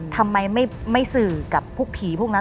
ทำไมไม่สื่อกับพวกผีพวกนั้น